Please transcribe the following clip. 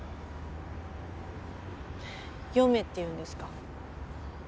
読めっていうんですか？